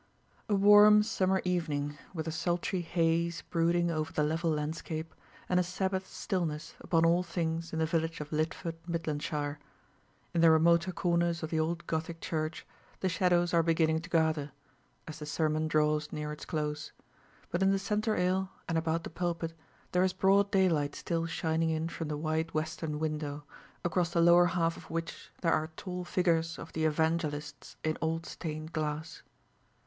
A warm summer evening, with a sultry haze brooding over the level landscape, and a Sabbath stillness upon all things in the village of Lidford, Midlandshire. In the remoter corners of the old gothic church the shadows are beginning to gather, as the sermon draws near its close; but in the centre aisle and about the pulpit there is broad daylight still shining in from the wide western window, across the lower half of which there are tall figures of the Evangelists in old stained glass.